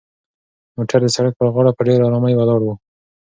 موټر د سړک په غاړه په ډېرې ارامۍ ولاړ و.